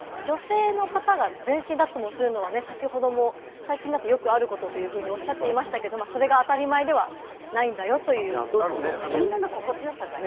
女性の方が全身脱毛するのは先ほども最近だとよくあることとおっしゃっていましたけれど、それが当たり前ではないんだよというコメントですね。